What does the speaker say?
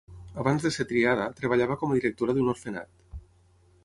Abans de ser triada, treballava com a directora d'un orfenat.